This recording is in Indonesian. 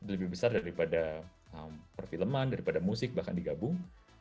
lebih besar daripada perfilman daripada musik bahkan digabung